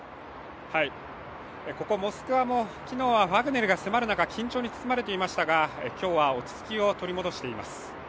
ここモスクワも昨日はワグネルが迫る中緊張に包まれていましたが今日は落ち着きを取り戻しています。